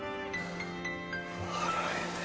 笑えねえ。